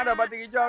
ini ada batik hijau